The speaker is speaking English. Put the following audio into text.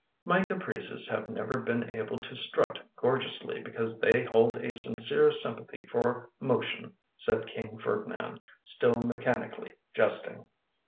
" My caprices have never been able to strut gorgeously because they hold a sincere sympathy for motion," said King Ferdinand, still mechanically jesting.